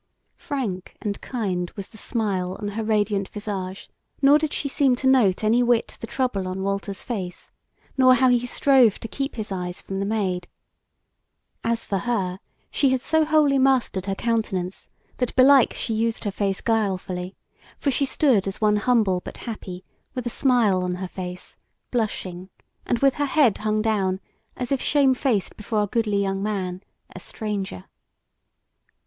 Frank and kind was the smile on her radiant visage, nor did she seem to note any whit the trouble on Walter's face, nor how he strove to keep his eyes from the Maid. As for her, she had so wholly mastered her countenance, that belike she used her face guilefully, for she stood as one humble but happy, with a smile on her face, blushing, and with her head hung down as if shamefaced before a goodly young man, a stranger.